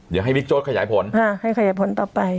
เดี๋ยวให้บิ๊กโจ๊กขยายผลให้ขยายผลต่อไป